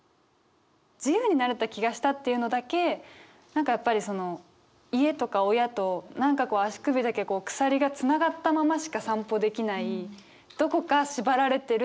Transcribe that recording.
「自由になれた気がした」っていうのだけ何かやっぱりその家とか親と何かこう足首だけ鎖がつながったまましか散歩できない